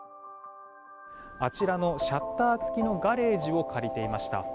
あちらのシャッター付きのガレージを借りていました。